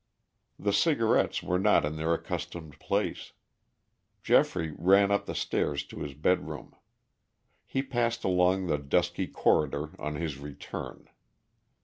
The cigarettes were not in their accustomed place. Geoffrey ran up the stairs to his bedroom. He passed along the dusky corridor on his return.